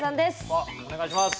わっお願いします。